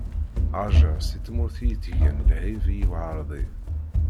Hajeṛ si tmurt itegen lɛib i uɛeṛḍi.